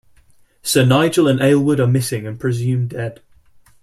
Sir Nigel and Aylward are missing and presumed dead.